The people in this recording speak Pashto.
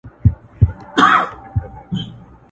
د پېړیو پېګويي به یې کوله،